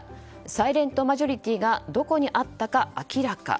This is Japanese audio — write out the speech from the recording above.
サイレントマジョリティーがどこにあったか明らか。